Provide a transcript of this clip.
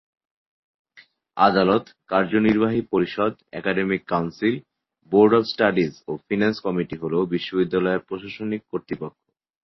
আদালত, কার্যনির্বাহী পরিষদ, academic council, board of studies ও ফিনান্স কমিটি হল বিশ্ববিদ্যালয়ের প্রশাসনিক কর্তৃপক্ষ।